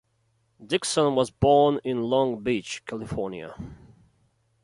Dickson was born in Long Beach, California.